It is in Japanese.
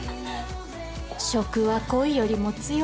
食は恋よりも強し